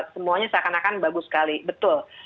semuanya seakan akan bagus sekali betul